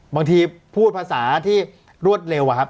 พูดภาษาที่รวดเร็วอะครับ